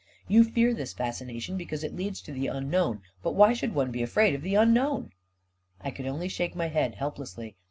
You feaf this fascination because it leads to the un known — but why should one be afraid of the un known ?" I could only shake my head helplessly.